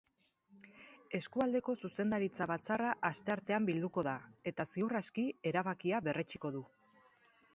Eskualdeko zuzendaritza batzarra asteartean bilduko da, eta ziur aski erabakia berretsiko du.